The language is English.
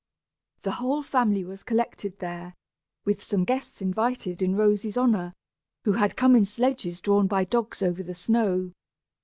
The whole family was collected there, with some guests invited in Rosy's honor, who had come in sledges drawn by dogs over the snow.